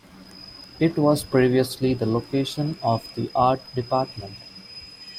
It was previously the location of the art department.